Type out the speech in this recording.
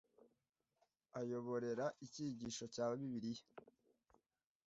Ayoborera icyigisho cya bibiliya